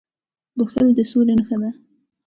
• بښل د سولي نښه ده.